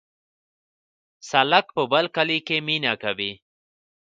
سالک په بل کلي کې مینه کوي